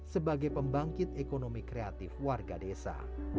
sebagai pembangkit ekonomi kreatif warga desa